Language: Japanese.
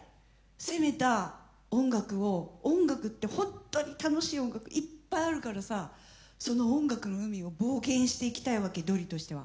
攻めた音楽を音楽って本当に楽しい音楽いっぱいあるからさその音楽の海を冒険していきたいわけドリとしては。